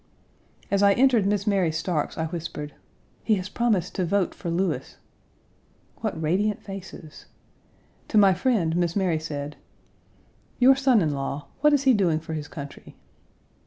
As I entered Miss Mary Stark's I whispered: "He has promised to vote for Louis." What radiant faces. To my friend, Miss Mary said, "Your son in law, what is he doing for his country?"